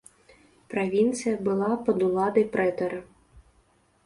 Правінцыя была пад уладай прэтара.